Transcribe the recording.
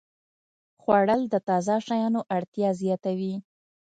خوړل د تازه شیانو اړتیا زیاتوي